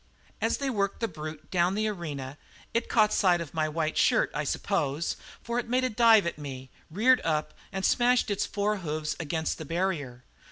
"As they worked the brute down the arena, it caught sight of my white shirt, I suppose, for it made a dive at me, reared up, and smashed its forehoofs against the barrier.